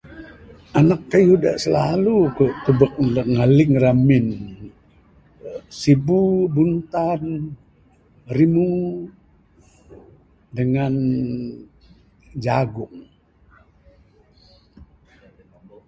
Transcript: Anak kayuh da silalu ku tubek ne dak ngaling ramin. Sibu, buntan, rimu dangan jagung.